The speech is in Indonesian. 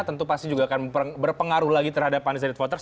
tentu pasti juga akan berpengaruh lagi terhadap undecided voters